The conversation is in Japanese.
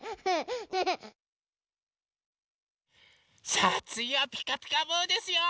さあつぎは「ピカピカブ！」ですよ。